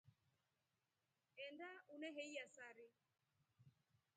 Enda uneheiya sari.